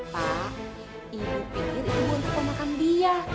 pak ibu pikir ibu untuk ponakan dia